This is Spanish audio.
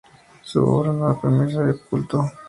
En su obra nada permanece oculto.